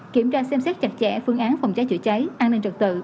kiểm tra xem xét chặt chẽ phương án phòng cháy chữa cháy an ninh trật tự